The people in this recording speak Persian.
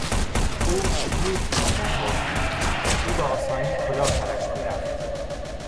او زود گول میخورد، او به آسانی کلاه سرش میرفت.